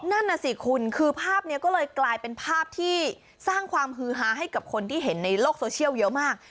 นั่นน่ะสิคุณคือภาพนี้ก็เลยกลายเป็นภาพที่สร้างความฮือฮาให้กับคนที่เห็นในโลกโซเชียลเยอะมาก